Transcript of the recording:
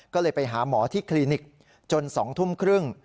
ก็เลยไปหาหมอที่คลินิกจน๒ทุ่มครึ่ง